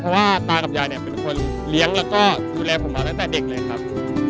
เพราะว่าตากับยายเนี่ยเป็นคนเลี้ยงแล้วก็ดูแลผมมาตั้งแต่เด็กเลยครับ